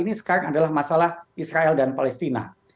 ini sekarang adalah masalah israel dan palestina